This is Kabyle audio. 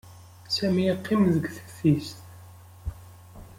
Sami yeqqim deg teftist.